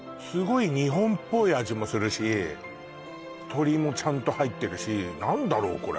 すごい日本っぽい味もするし鶏もちゃんと入ってるし何だろう？